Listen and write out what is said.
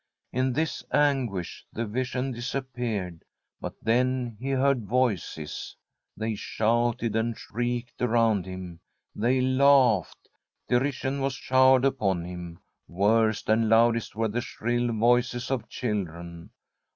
In this anguish the vision disappeared, but then he heard voices. They shouted and shrieked around him. They laughed. Derision was show ered upon him. Worst and loudest were the shrill voices of children.